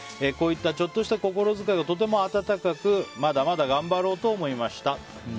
こういったちょっとした心遣いはとても温かくまだまだ頑張ろうと思いました。